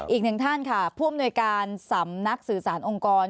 อีกหนึ่งท่านค่ะผู้อำนวยการสำนักสื่อสารองค์กร